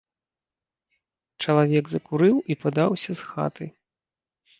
Чалавек закурыў і падаўся з хаты.